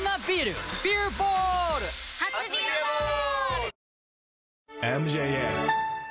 初「ビアボール」！